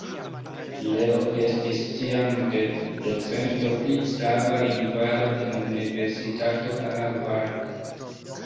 Leo estis tiam docento pri slava lingvaro en Universitato Harvard.